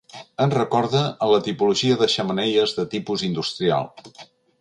Ens recorda a la tipologia de xemeneies de tipus industrial.